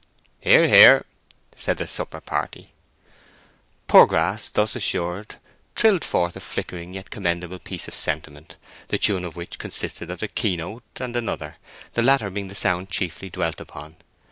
"Hear, hear!" said the supper party. Poorgrass, thus assured, trilled forth a flickering yet commendable piece of sentiment, the tune of which consisted of the key note and another, the latter being the sound chiefly dwelt upon.